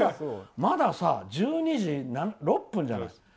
まだ１２時６分じゃない。